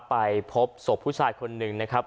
ไปพบศพผู้ชายคนหนึ่งนะครับ